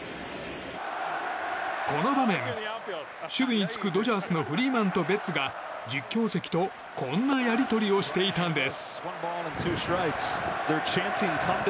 この場面、守備に就くフリーマンとベッツが実況席と、こんなやり取りをしていたんです。